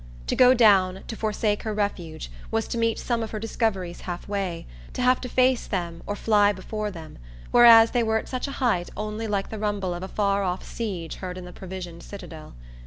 To go down, to forsake her refuge, was to meet some of her discoveries halfway, to have to face them or fly before them; whereas they were at such a height only like the rumble of a far off siege heard in the provisioned citadel.